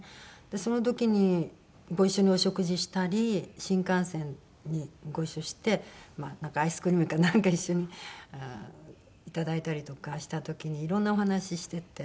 その時にご一緒にお食事したり新幹線にご一緒してアイスクリームかなんか一緒にいただいたりとかした時にいろんなお話してて。